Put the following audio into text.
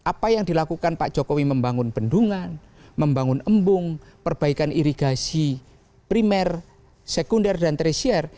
apa yang dilakukan pak jokowi membangun bendungan membangun embung perbaikan irigasi primer sekunder dan tresier